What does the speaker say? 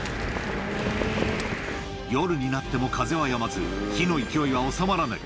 夜になっても風はやまず、火の勢いは収まらない。